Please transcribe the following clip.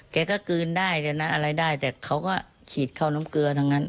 แกก็กลืนได้เลยนะอะไรได้แต่เขาก็ขีดเข้าน้ำเกลือทั้งนั้น